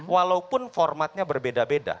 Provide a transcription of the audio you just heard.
walaupun formatnya berbeda beda